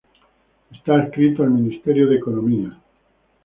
Está adscrito al Ministerio de Economía.